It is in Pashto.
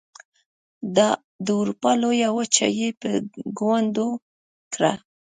د اروپا لویه وچه یې په ګونډو کړه.